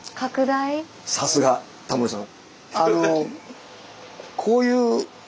さすがタモリさん。